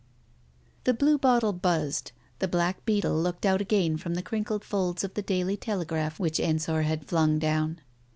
... The bluebottle buzzed, the black beetle looked out again from the crinkled folds of the Daily Telegraph which Ensor had flung down.